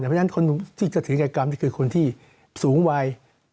เพราะฉะนั้นคนที่จะถือแก่กรรมนี่คือคนที่สูงวัย